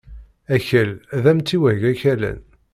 Akal d amtiweg akalan.